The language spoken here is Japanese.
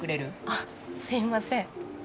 あっすいません